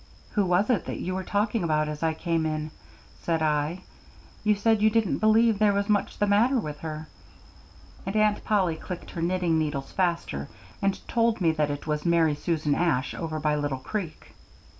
"Who was it that you were talking about as I came in?" said I. "You said you didn't believe there was much the matter with her." And Aunt Polly clicked her knitting needles faster, and told me that it was Mary Susan Ash, over by Little Creek.